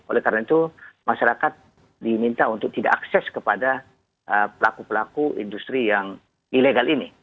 oleh karena itu masyarakat diminta untuk tidak akses kepada pelaku pelaku industri yang ilegal ini